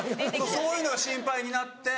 そういうのが心配になって。